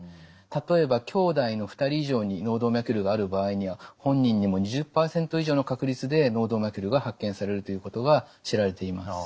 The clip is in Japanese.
例えばきょうだいの２人以上に脳動脈瘤がある場合には本人にも２０％以上の確率で脳動脈瘤が発見されるということが知られています。